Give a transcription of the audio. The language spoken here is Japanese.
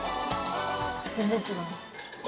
全然違う。